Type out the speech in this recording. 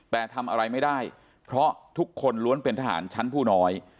แต่ทำอะไรไม่ได้เพราะทุกคนล้วนเป็นทหารชั้นผู้น้อย